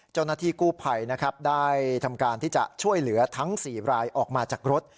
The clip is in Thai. เจ้าหน้าที่กู้ภัยนะครับได้ทำการที่จะช่วยเหลือทั้ง๔รายออกมาจากรถ